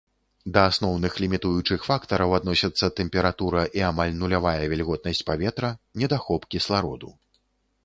Да асноўных лімітуючых фактараў адносяцца тэмпература і амаль нулявая вільготнасць паветра, недахоп кіслароду.